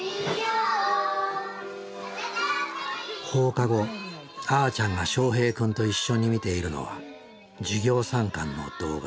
放課後あーちゃんがしょうへい君と一緒に見ているのは授業参観の動画。